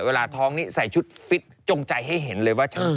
เวลาท้องนี่ใส่ชุดฟิตจงใจให้เห็นเลยว่า